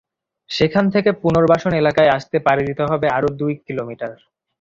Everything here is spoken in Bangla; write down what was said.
সেখান থেকে পুনর্বাসন এলাকায় আসতে পাড়ি দিতে হবে আরও দুই কিলোমিটার।